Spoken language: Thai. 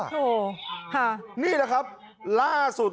แล้วนี้นะครับล่าสุด